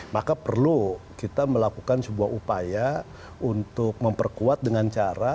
maka perlu kita melakukan sebuah upaya untuk memperkuat dengan cara